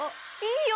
いいよ！